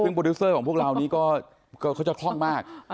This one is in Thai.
ซึ่งโปรดิวเซอร์ของพวกเรานี้เขาจะคล่องมาก